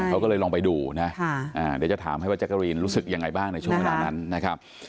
เขาก็เลยลองไปดูนะเดี๋ยวจะถามให้ว่าจักรีนรู้สึกยังไงบ้างในช่วงเวลานั้นนะครับ